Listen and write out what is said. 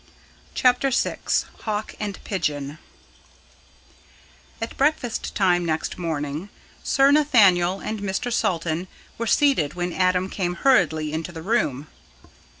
CHAPTER VI HAWK AND PIGEON At breakfast time next morning Sir Nathaniel and Mr. Salton were seated when Adam came hurriedly into the room.